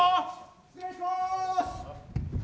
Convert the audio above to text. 失礼します！